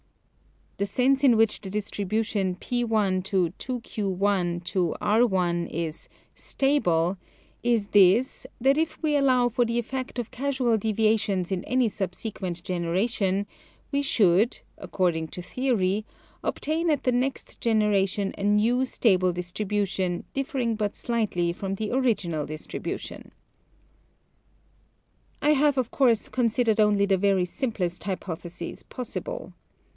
The sense in which the distribution p^ : 2^^ : r^ is " stable " is this, that if we allow for the effect of casual deviations in any subsequent generation, we should, according to theory, obtain at the next generation a new "stable" distribution dif fering but slightly from the original distribu tion. I have, of course, considered only the very simplest hypotheses possible.